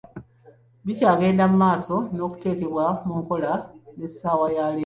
Bikyagenda mu maaso n'okuteekebwa mu nkola n'essaawa ya leero.